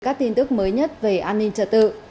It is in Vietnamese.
các tin tức mới nhất về an ninh trật tự